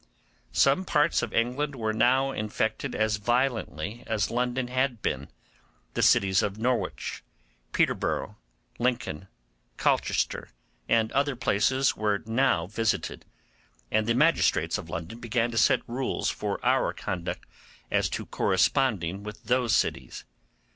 Some parts of England were now infected as violently as London had been; the cities of Norwich, Peterborough, Lincoln, Colchester, and other places were now visited; and the magistrates of London began to set rules for our conduct as to corresponding with those cities.